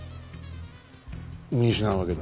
見失うわけだ。